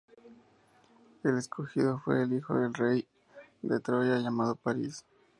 El escogido fue el hijo del rey de Troya, llamado Paris.